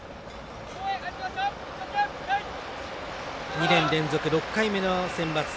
２年連続６回目のセンバツ。